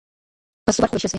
په څو برخو وېشل سوی.